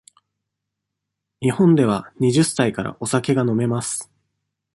日本では二十歳からお酒が飲めます。